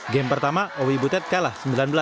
game pertama owi butet kalah sembilan belas dua puluh satu